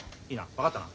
分かったな？